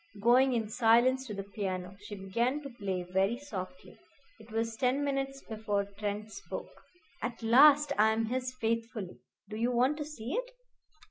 Going in silence to the piano, she began to play very softly. It was ten minutes before Trent spoke. "At last I am his faithfully. Do you want to see it?"